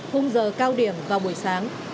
hùng giờ cao điểm vào buổi sáng